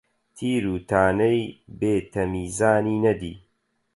تیر و تانەی بێ تەمیزانی نەدی،